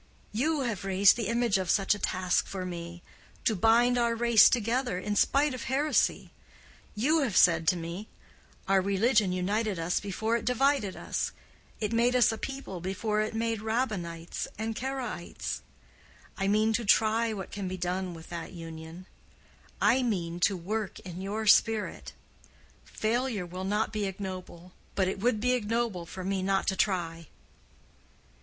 You have raised the image of such a task for me—to bind our race together in spite of heresy. You have said to me—'Our religion united us before it divided us—it made us a people before it made Rabbanites and Karaites.' I mean to try what can be done with that union—I mean to work in your spirit. Failure will not be ignoble, but it would be ignoble for me not to try."